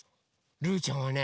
ルーちゃんはね